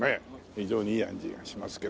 非常にいい味がしますけど。